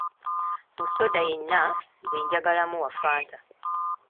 Mu soda yenna nze njagalamu wa Fanta.